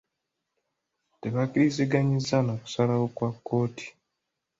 Tebakkiriziganyizza na kusalawo kwa kkooti.